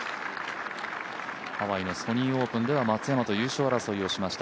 ハワイのソニーオープンでは松山と優勝争いをしました。